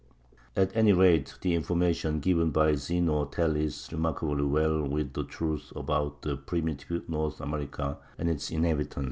At any rate, the information given by Zeno tallies remarkably well with the truth about primitive North America and its inhabitants.